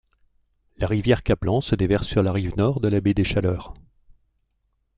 La rivière Caplan se déverse sur la rive Nord de la baie des Chaleurs.